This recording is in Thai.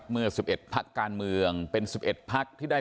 เมื่อ๑๑พักการเมืองเป็น๑๑พักที่ได้